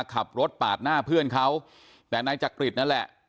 ขับรถปาดหน้าเพื่อนเขาแต่นายจักริตนั่นแหละ